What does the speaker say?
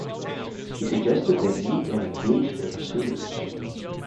He suggested they meet and engage their pursuers.